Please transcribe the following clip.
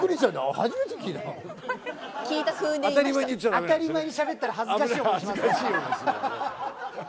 当たり前にしゃべったら恥ずかしい思いしますから。